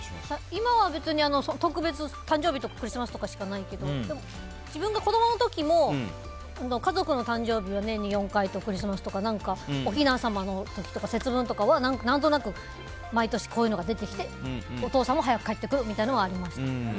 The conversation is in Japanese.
今は別に特別誕生日とかクリスマスとかしかないけどでも自分が子供の時も家族の誕生日は年に４回とクリスマスとおひな様の時とか節分とかは、何となく毎年こういうのが出てきてお父さんも早く帰ってくるみたいなのはありました。